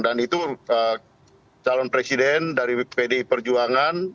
itu calon presiden dari pdi perjuangan